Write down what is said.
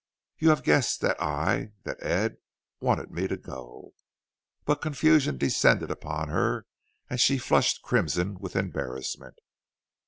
You have guessed that I that Ed wanted me to go " But confusion descended upon her and she flushed crimson with embarrassment.